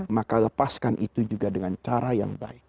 maka lepaskan itu juga dengan cara yang baik